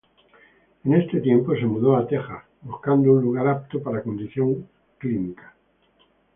En ese tiempo se mudó a Texas, buscando un lugar apto para condición clínica.